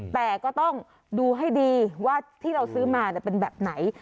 แต่ก็ต้องดูให้ดีว่าที่เราซื้อมาเป็นแบบไหน